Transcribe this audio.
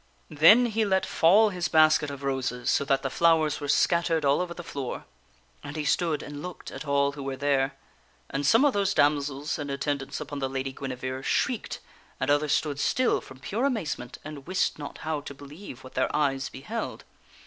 Then he let fall his basket of roses so that the flowers were scattered all over the floor, and he stood and looked at all who were 88 THE WINNING OF A QUEEN there. And some of those damsels in attendance upon the Lady Gui nevere shrieked, and others stood still from pure amazement and wist not how to believe what their eyes beheld.